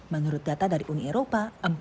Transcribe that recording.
menurut data dari uni eropa